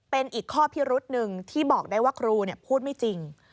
เป็นอีกข้อพิรุษหนึ่งที่บอกได้ว่าครูพูดไม่จริง